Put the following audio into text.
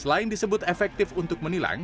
selain disebut efektif untuk menilang